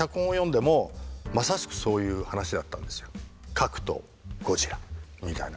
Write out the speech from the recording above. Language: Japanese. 核とゴジラみたいなね。